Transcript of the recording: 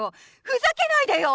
ふざけないでよ！